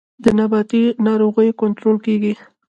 د نباتي ناروغیو کنټرول کیږي